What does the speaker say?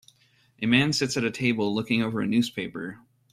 A man sits at a table looking over a newspaper